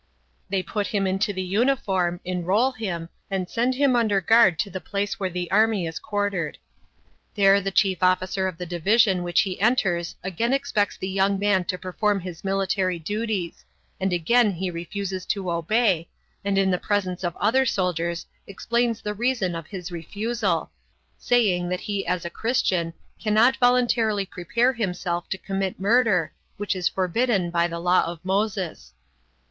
They put him into the uniform, enrol him, and send him under guard to the place where the army is quartered. There the chief officer of the division which he enters again expects the young man to perform his military duties, and again he refuses to obey, and in the presence of other soldiers explains the reason of his refusal, saying that he as a Christian cannot voluntarily prepare himself to commit murder, which is forbidden by the law of Moses.